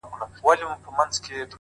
دلته ښايي، د ځینو له خوا